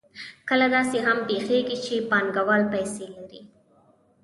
کله داسې هم پېښېږي چې پانګوال پیسې لري